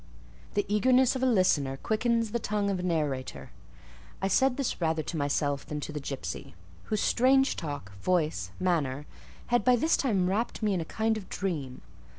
"The eagerness of a listener quickens the tongue of a narrator." I said this rather to myself than to the gipsy, whose strange talk, voice, manner, had by this time wrapped me in a kind of dream.